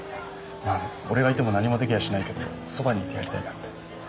まあ俺がいても何もできやしないけどそばにいてやりたいなって。